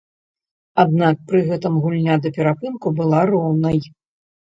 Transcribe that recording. Аднак пры гэтым гульня да перапынку была роўнай.